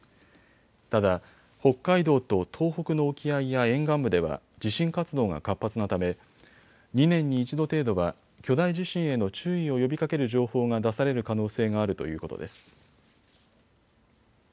ただ北海道と東北の沖合や沿岸部では地震活動が活発なため２年に１度程度は巨大地震への注意を呼びかける情報が出される可能性があるということです。